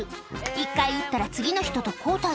１回打ったら、次の人と交代。